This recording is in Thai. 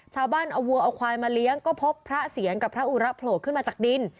ชาวบ้านเอาวัวเอาควายมาเลี้ยงก็พบพระเสียรกับพระอุระโผล่ขึ้นมาจากดิน